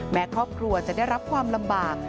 ครอบครัวจะได้รับความลำบาก